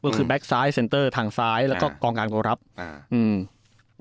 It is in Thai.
ก็คือแบคซ้ายเซนเทิร์ส์ทางซ้ายแล้วก็กองกลางโตรัพย์อ่าอืม